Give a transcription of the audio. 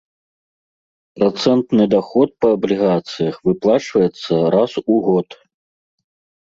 Працэнтны даход па аблігацыях выплачваецца раз у год.